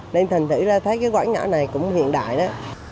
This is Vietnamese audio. nên thành thử là thấy cái quán nhỏ này cũng hiện đại đó